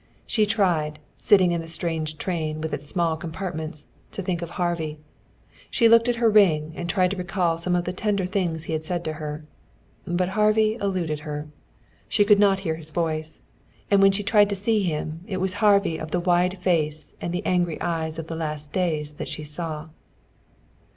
She tried, sitting in the strange train with its small compartments, to think of Harvey. She looked at her ring and tried to recall some of the tender things he had said to her. But Harvey eluded her. She could not hear his voice. And when she tried to see him it was Harvey of the wide face and the angry eyes of the last days that she saw.